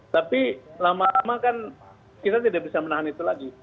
tapi lama lama kan kita tidak bisa menahan itu lagi